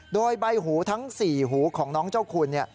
โดยใบหูทั้งสี่หูของน้องเจ้าคุณ